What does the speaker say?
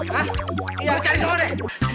hah iya lu cari sama deh